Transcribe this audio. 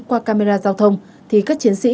qua camera giao thông thì các chiến sĩ